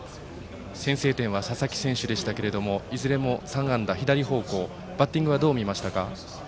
先制点は佐々木選手でしたがいずれも３安打、左方向バッティングはどう見ましたか？